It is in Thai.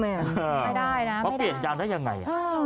ไม่ได้นะเขาเปลี่ยนยางได้ยังไง